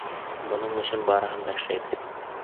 Бының өсөн барыһын да эшләйбеҙ.